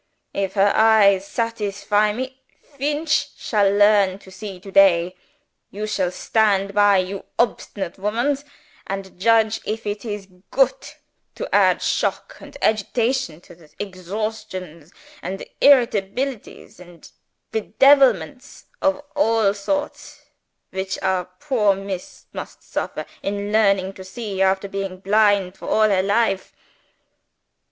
If her eyes satisfy me Feench shall learn to see to day. You shall stand by, you obstinate womans, and judge if it is goot to add shock and agitation to the exhaustions and irritabilities and bedevilments of all sorts which our poor Miss must suffer in learning to see, after being blind for all her life.